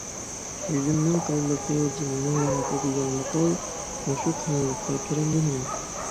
«يۈزۈمنىڭ قېلىنلىقى جېنىمنىڭ راھىتى» دېگەن ماقال مۇشۇ قېلىنلىققا كىرەمدۇ نېمە؟